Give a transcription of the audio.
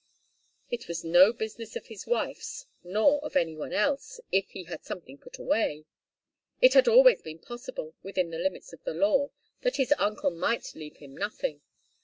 It was no business of his wife's, nor of any one else, if he had something put away. It had always been possible, within the limits of the law, that his uncle might leave him nothing.